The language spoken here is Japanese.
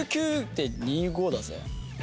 ８９．２５だぜ？